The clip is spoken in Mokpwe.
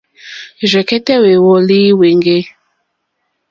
Rzɛ̀kɛ́tɛ́ hwèwɔ́lì hwéŋɡê.